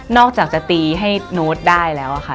อกจากจะตีให้โน้ตได้แล้วค่ะ